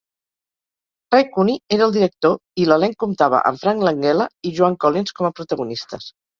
Ray Cooney era el director i l'elenc comptava amb Frank Langella i Joan Collins com a protagonistes.